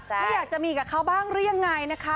ไม่อยากจะมีกับเขาบ้างหรือยังไงนะคะ